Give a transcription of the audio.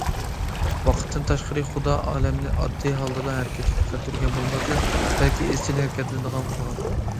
ۋاقىتتىن تاشقىرى خۇدا ئالەمنى ئاددىي ھالدىلا ھەرىكەتكە كەلتۈرگەن بولماستىن، بەلكى ئىزچىل ھەرىكەتلىنىدىغان قىلغان.